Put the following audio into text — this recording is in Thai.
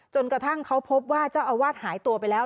กระทั่งเขาพบว่าเจ้าอาวาสหายตัวไปแล้ว